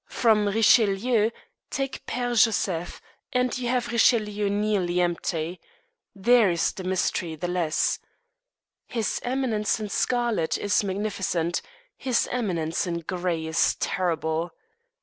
From Richelieu, take Père Joseph, and you have Richelieu nearly empty. There is the mystery the less. His Eminence in scarlet is magnificent; his Eminence in gray is terrible.